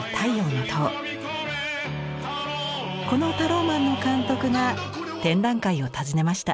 この「ＴＡＲＯＭＡＮ」の監督が展覧会を訪ねました。